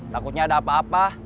takutnya ada apa apa